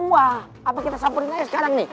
wah apa kita sampurin aja sekarang nih